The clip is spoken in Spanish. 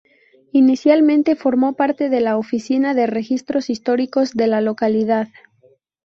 Inicialmente formó parte de la Oficina de Registros Históricos de la localidad.